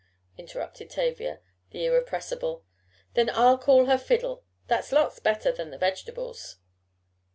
interrupted Tavia, the irrepressible. "Then I'll call her 'Fiddle.' That's lots better than the vegetables."